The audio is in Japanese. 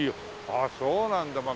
ああそうなんだ。